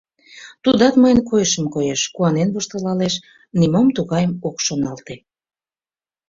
Тудат мыйын койышым коеш, куанен воштылалеш, нимом тугайым ок шоналте.